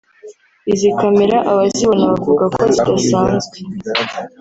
izi camera abazibona bavuga ko zidasanzwe